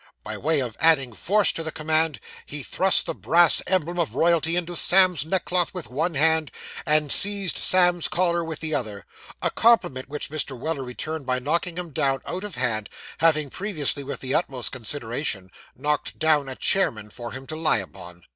By way of adding force to the command, he thrust the brass emblem of royalty into Sam's neckcloth with one hand, and seized Sam's collar with the other a compliment which Mr. Weller returned by knocking him down out of hand, having previously with the utmost consideration, knocked down a chairman for him to lie upon.